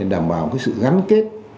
đảm bảo sự gắn kết